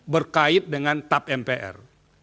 berkait dengan tap mpr